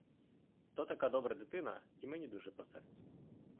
То така добра дитина і мені дуже по серцю.